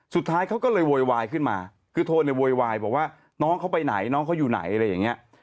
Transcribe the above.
สุดท้ายเขาก็เลยโวยวายขึ้นมาคือโทนเนี่ยโวยวายบอกว่าน้องเขาไปไหนน้องเขาอยู่ไหนอะไรอย่างเงี้ย